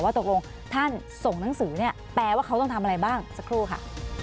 ตกลงท่านส่งหนังสือเนี่ยแปลว่าเขาต้องทำอะไรบ้างสักครู่ค่ะ